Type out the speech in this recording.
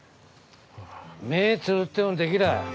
目つぶってもできら。